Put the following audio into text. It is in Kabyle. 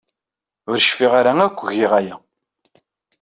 Ur cfiɣ ara akk giɣ aya.